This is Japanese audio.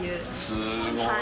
すごい。